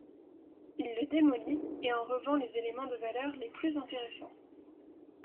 Il le démolit, et en revend les éléments de valeur les plus intéressants.